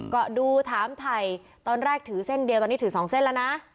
ก็ดูถามถ่ายตอนแรกถือเส้นเดียวตอนนี้ถือ๒เส้นแล้วนะ